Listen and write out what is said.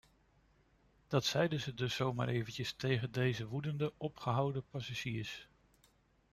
Dat zeiden ze dus zo maar eventjes tegen deze woedende, opgehouden passagiers.